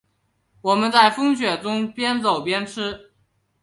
我们在风雪中边走边吃